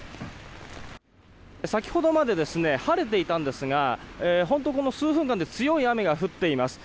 先ほどまで晴れていたんですが本当数分間で強い雨が降っています。